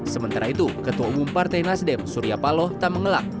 sementara itu ketua umum partai nasdem surya paloh tak mengelak